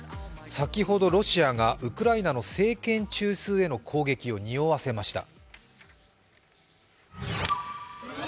先ほどロシアがウクライナの政権中枢への攻撃を匂わせました。